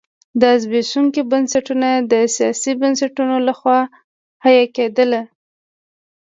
دا زبېښونکي بنسټونه د سیاسي بنسټونو لخوا حیه کېدل.